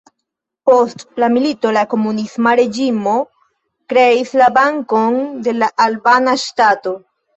Post la milito la komunisma reĝimo kreis la Bankon de la Albana Ŝtato.